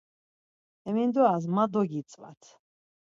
Hemindoras ma dogitzvat.